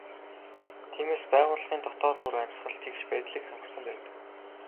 Тиймээс байгууллагын дотоод уур амьсгал тэгш байдлыг хангасан байдаг.